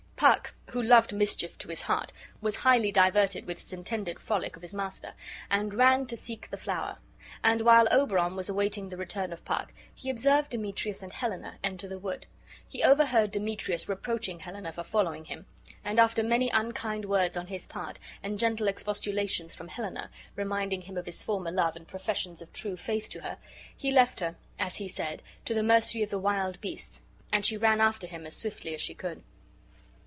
Puck, who loved mischief to his heart, was highly diverted with this intended frolic of his master, and ran to seek the flower; and while Oberon was waiting the return of Puck he observed Demetrius and Helena enter the wood: he overheard Demetrius reproaching Helena for following him, and after many unkind words on his part, and gentle expostulations from Helena, reminding him of his former love and professions of true faith to her, he left her (as he said) to the mercy of the wild beasts, and she ran after him as swiftly as she could.